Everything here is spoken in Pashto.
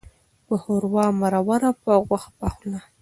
په ښوروا مروره، په غوښه پخلا.